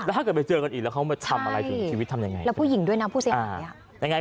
แล้วถ้าเจอกันอีกไม่ทำอะไรถึงชีวิตทำยังไง